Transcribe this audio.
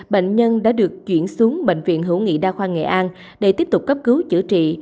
bệnh nhân đã được chuyển xuống bệnh viện hữu nghị đa khoa nghệ an để tiếp tục cấp cứu chữa trị